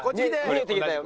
見えてきたよ。